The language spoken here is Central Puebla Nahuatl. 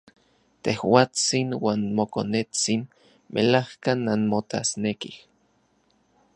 Tejuatsin uan mokonetsin melajka nanmotasnekij.